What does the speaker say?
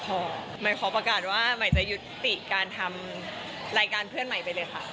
หมายขอประกาศว่าใหม่จะยุติการทำรายการเพื่อนใหม่ไปเลยค่ะ